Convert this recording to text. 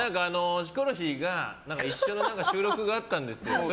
ヒコロヒーと一緒の収録があったんですよ。